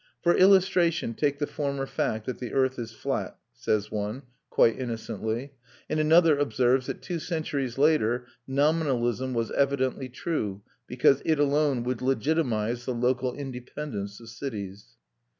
"For illustration take the former fact that the earth is flat," says one, quite innocently; and another observes that "two centuries later, nominalism was evidently true, because it alone would legitimise the local independence of cities."